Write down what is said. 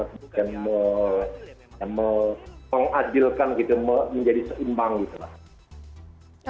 kemudian mengadilkan gitu menjadi seimbang gitu lah